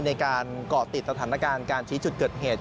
ในการเกาะติดสถานการณ์การชี้จุดเกิดเหตุ